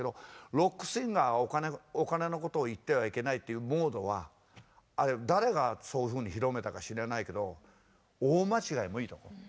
ロックシンガーはお金のことを言ってはいけないっていうモードはあれ誰がそういうふうに広めたか知らないけど大間違いもいいとこ。